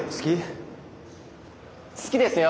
好きですよ。